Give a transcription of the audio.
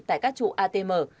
tại các trụ atm